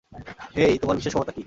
হেই, তোমার বিশেষ ক্ষমতা কী?